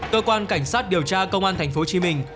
cơ quan cảnh sát điều tra công an thành phố hồ chí minh